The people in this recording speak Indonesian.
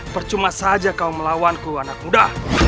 percuma saja kau melawanku anak muda